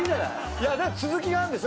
いや続きがあるんでしょ。